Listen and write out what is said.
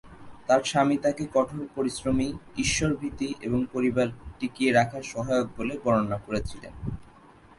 তার স্বামী তাকে কঠোর পরিশ্রমী, ঈশ্বর-ভীতি এবং পরিবার টিকিয়ে রাখার সহায়ক বলে বর্ণনা করেছিলেন।